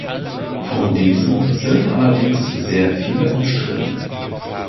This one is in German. Von diesen sind allerdings sehr viele umstritten.